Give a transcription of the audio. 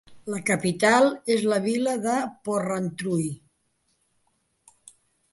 La capital és la vila de Porrentruy.